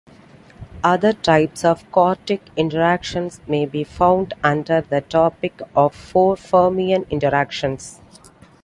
Other types of quartic interactions may be found under the topic of four-fermion interactions.